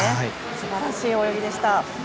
素晴らしい泳ぎでした。